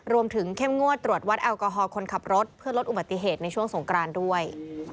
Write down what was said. รวมถึงในเช่นนี้เข้มงวดตรวจวัตรแบดแอลกอฮอล์คนขับรถเพื่อลดอุบัติเหตุในช่วงสงครานด้วย